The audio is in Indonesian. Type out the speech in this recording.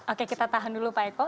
oke kita tahan dulu pak eko